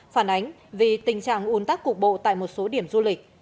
phản ánh vì tình trạng un tắc cục bộ tại một số điểm du lịch